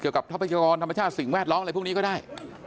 เกี่ยวกับท่อพัฒนากรณ์ธรรมชาติสิ่งแวดร้องอะไรพวกนี้ก็ได้